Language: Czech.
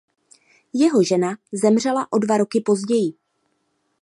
Jeho žena zemřela o dva roky později.